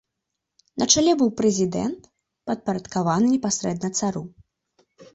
На чале быў прэзідэнт, падпарадкаваны непасрэдна цару.